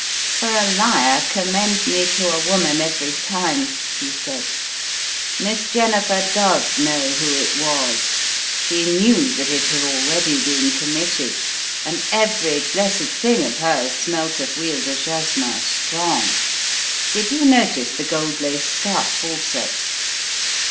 "For a liar, commend me to a woman every time/* he said. "Miss Jennifer does know who it was. She knew that it had already been committed, and every blessed thing of hers smelt of Huile de jasmin strong! Did you notice the gold lace scarf also?"